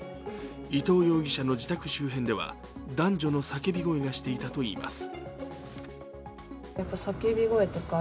伊藤容疑者の自宅周辺では男女の叫び声がしていたといいます。